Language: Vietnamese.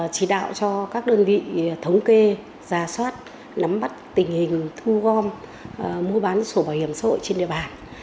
chỉ đạo cho các đơn vị thống kê ra soát nắm bắt tình hình thu gom mua bán sổ bảo hiểm xã hội trên địa bàn